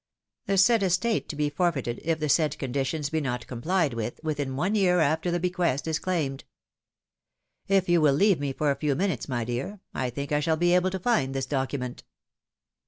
The said estate to be forfeited if the said conditions be not complied with, vrithin one year after the bequest is claimed. If you will leave me for a few minutes, my dear, I think I shall be able to iind this document."